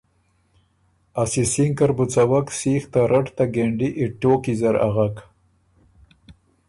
ا سِسِینکه ر بُو څَوَک سیخ ته رټ ته ګېنډی ای ټوکی زر اغوک۔